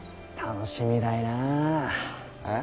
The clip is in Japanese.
楽しみだいなぁ。え？